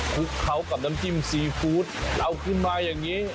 ลุกเข้ากับน้ำจิ้มซีฟู้ดเอาขึ้นมาอย่างนี้